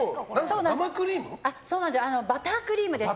バタークリームです。